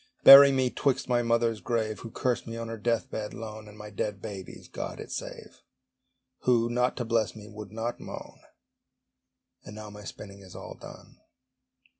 Bury me 'twixt my mother's grave, (Who cursed me on her death bed lone) And my dead baby's (God it save!) Who, not to bless me, would not moan. And now my spinning is all done.